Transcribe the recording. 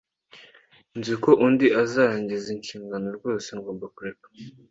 nzi ko undi azarangiza inshingano rwose ngomba kureka.